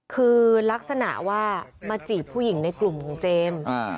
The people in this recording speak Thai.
คือลักษณะว่ามาจีบผู้หญิงในกลุ่มของเจมส์